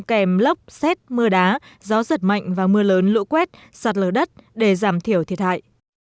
kèm lốc xét mưa đá gió giật mạnh và mưa lớn lũ quét sạt lở đất để giảm thiểu thiệt hại